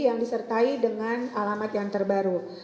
yang disertai dengan alamat yang terbaru